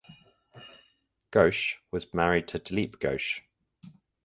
Ghosh was married to Dileep Ghosh.